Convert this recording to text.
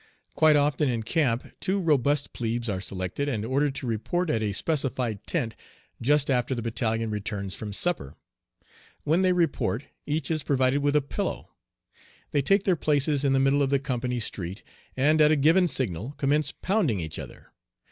Quite often in camp two robust plebes are selected and ordered to report at a specified tent just after the battalion returns from supper. When they report each is provided with a pillow. They take their places in the middle of the company street, and at a given signal commence pounding each other.